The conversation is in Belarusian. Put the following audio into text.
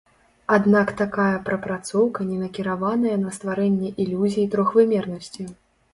Аднак такая прапрацоўка не накіраваная на стварэнне ілюзіі трохвымернасці.